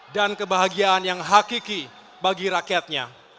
dan kebahagiaan yang hakiki bagi rakyatnya